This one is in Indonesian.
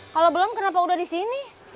kalau belum kenapa udah di sini